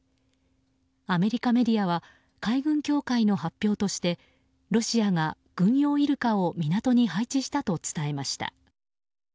アメリカメディアは海軍協会の発表としてロシアが軍用イルカを港に配置したと発表しました。